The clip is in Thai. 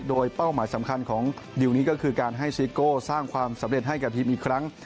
โดยเป้าหมายสำคัญของดิวนี้ก็คือการให้ซิโก้สร้างความสำเร็จให้กับทีมอีกครั้ง